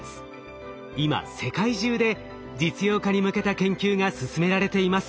今世界中で実用化に向けた研究が進められています。